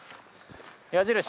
矢印。